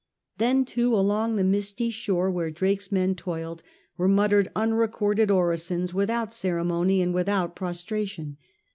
Then, too, along the misty shore where Drake's men toiled were muttered unrecorded orisons "svithout ceremony and without pro stration.